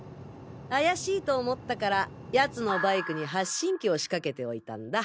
怪しいと思ったから奴のバイクに発信機を仕掛けておいたんだ。